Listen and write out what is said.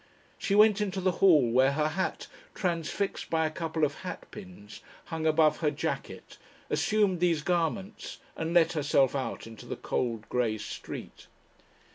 She went into the hall, where her hat, transfixed by a couple of hat pins, hung above her jacket, assumed these garments, and let herself out into the cold grey street.